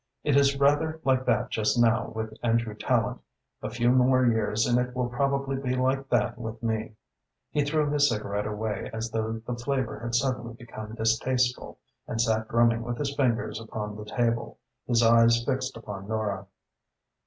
It is rather like that just now with Andrew Tallente. A few more years and it will probably be like that with me." He threw his cigarette away as though the flavour had suddenly become distasteful and sat drumming with his fingers upon the table, his eyes fixed upon Nora.